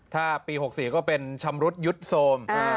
ถ้าปี๒๔๖๔ก็เป็นชำรุษยุทธโสม